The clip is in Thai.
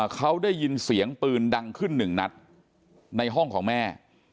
เขาได้ยินเสียงปืนดังขึ้นหนึ่งนัดในห้องของแม่